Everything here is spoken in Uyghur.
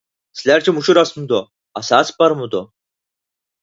سىلەرچە مۇشۇ راستمىدۇ؟ ئاساسى بارمىدۇ؟